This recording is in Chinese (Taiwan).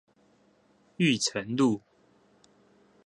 裕誠路